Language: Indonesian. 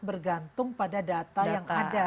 bergantung pada data yang ada